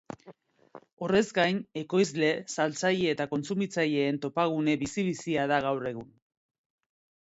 Horrez gain, ekoizle, saltzaile eta kontsumitzaileen topagune bizi-bizia da gaur egun.